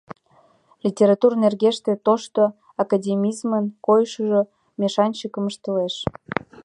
— Литератур нергеште тошто академизмын койышыжо мешанчыкым ыштылеш.